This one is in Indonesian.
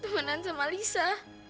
temenan sama lisa